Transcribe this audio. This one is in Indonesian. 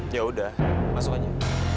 yaudah masuk aja